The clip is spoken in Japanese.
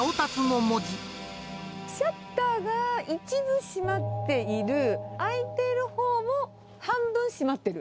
シャッターが一部閉まっている、開いているほうも、半分閉まってる。